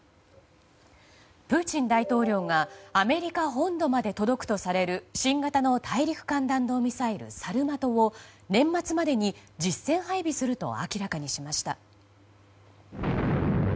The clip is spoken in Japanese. プーチン大統領がアメリカ本土まで届くとされる新型の大陸間弾道ミサイルサルマトを年末までに実戦配備すると明らかにしました。